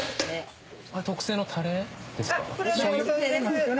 あれ特製のタレですか？